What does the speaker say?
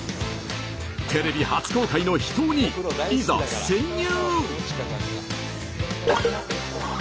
テレビ初公開の秘湯にいざ潜入！